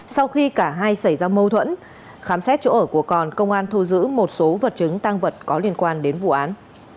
sau khi cả hai xảy ra mâu thuẫn khám xét chỗ ở của còn công an thu giữ một số vật chứng tăng vật có liên quan đến vụ án